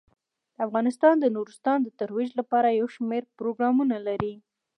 افغانستان د نورستان د ترویج لپاره یو شمیر پروګرامونه لري.